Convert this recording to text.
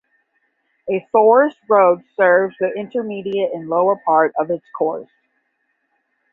A forest road serves the intermediate and lower part of its course.